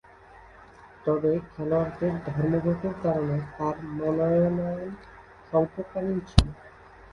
তবে, খেলোয়াড়দের ধর্মঘটের কারণে তার মনোনয়ন স্বল্পকালীন ছিল।